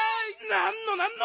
なんのなんの！